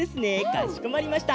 かしこまりました。